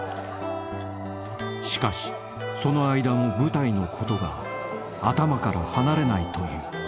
［しかしその間も舞台のことが頭から離れないという］